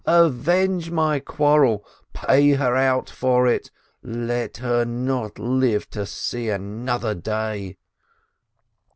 Avenge my quarrel, pay her out for it, let her not live to see another day